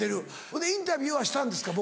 ほんでインタビューはしたんですか？